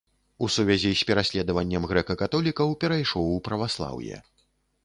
У сувязі з пераследаваннем грэка-католікаў перайшоў у праваслаўе.